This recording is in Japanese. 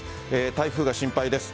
台風が心配です。